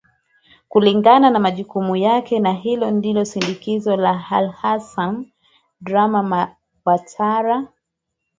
kulingana na majukumu yake na hili ndio shindikizo la alhasa draman watara